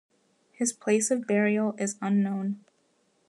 His place of burial is unknown.